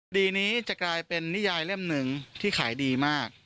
ดีนี้จะกลายเป็นนิยายเล่มหนึ่งที่ขายดีมาก